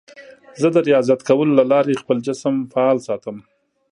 زه د ریاضت کولو له لارې خپل جسم فعال ساتم.